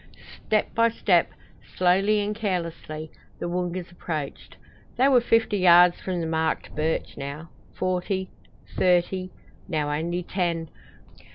Step by step, slowly and carelessly, the Woongas approached. They were fifty yards from the marked birch now forty thirty now only ten.